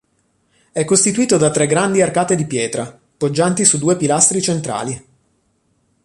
È costituito da tre grandi arcate di pietra, poggianti su due pilastri centrali.